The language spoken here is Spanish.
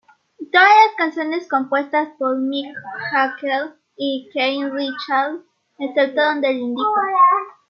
Todas las canciones compuestas por Mick Jagger y Keith Richards, excepto donde lo indica.